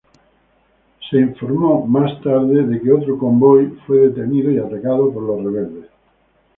Más tarde, se reportó que otro convoy fue detenido y atacado por rebeldes.